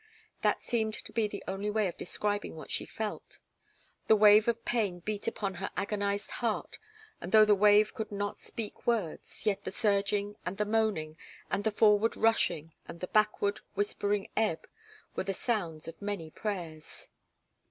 That seems to be the only way of describing what she felt. The wave of pain beat upon her agonized heart, and though the wave could not speak words, yet the surging and the moaning, and the forward rushing, and the backward, whispering ebb, were as the sounds of many prayers.